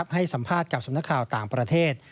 ให้สัมภาษณ์กับสำนักข่าวต่างประเทศ